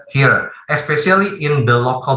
terutama di bank lokal